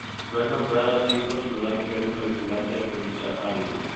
Fue nombrado así por su gran nivel molecular de polisacáridos.